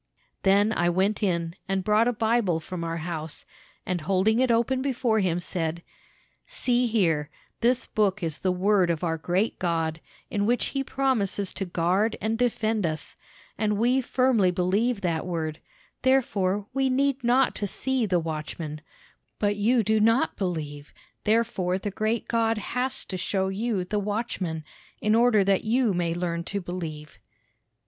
"Then I went in, and brought a Bible from our house, and holding it open before him, said: 'See here; this book is the Word of our great God, in which he promises to guard and defend us, and we firmly believe that Word; therefore we need not to see the watchmen; but you do not believe, therefore the great God has to show you the watchmen, in order that you may learn to believe.'"